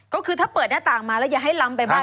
ก็คือถ้าเปิดหน้าต่างมาแล้วจะให้ลำไปบ้านด้วย